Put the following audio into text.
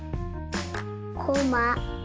こま。